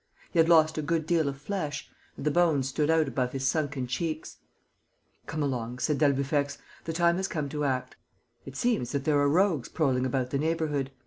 He had lost a good deal of flesh; and the bones stood out above his sunken cheeks. "Come along," said d'Albufex. "The time has come to act. It seems that there are rogues prowling about the neighbourhood.